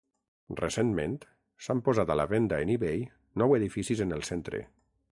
Recentment, s'han posat a la venda en eBay nou edificis en el centre.